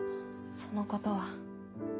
そのことは。